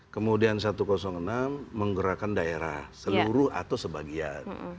kemudian satu ratus enam menggerakkan daerah seluruh atau sebagian